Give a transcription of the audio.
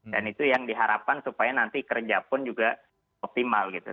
dan itu yang diharapkan supaya nanti kerja pun juga optimal gitu